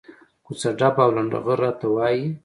کوڅه ډب او لنډه غر راته وایي.